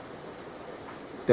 sehingga ini semuadi planningnya